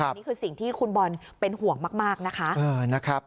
นี่คือสิ่งที่คุณบอลเป็นห่วงมากนะคะ